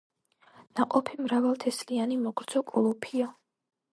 ნაყოფი მრავალთესლიანი მოგრძო კოლოფია.